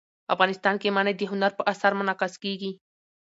افغانستان کې منی د هنر په اثار کې منعکس کېږي.